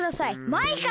マイカ！